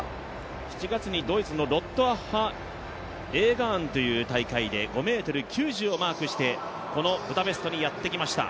７月にドイツのロットアッハ＝エーガーンという大会で５ｍ９０をマークしてこのブダペストにやって来ました。